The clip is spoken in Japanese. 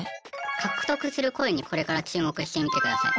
獲得するコインにこれから注目してみてください。